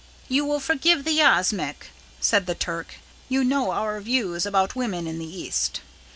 "You will forgive the yashmak," said the Turk. "You know our views about women in the East."